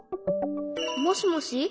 もしもし？